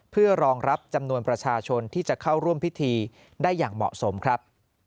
เพื่อรองรับจำนวนประชาชนที่จะเข้าร่วมพิธีได้อย่างเหมาะสมครับ